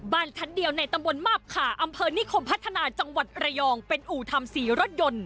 บ้านชั้นเดียวในตำบลมาบขาอำเภอนิคมพัฒนาจังหวัดระยองเป็นอู่ทำสีรถยนต์